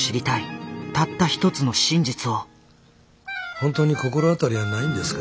本当に心当たりはないんですか？